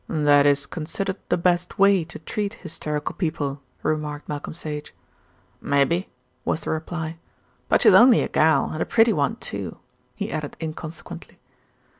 "That is considered the best way to treat hysterical people," remarked Malcolm Sage. "Maybe," was the reply, "but she's only a gal, and a pretty one too," he added inconsequently.